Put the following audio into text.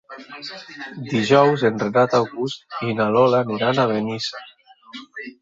Dijous en Renat August i na Lola aniran a Benissa.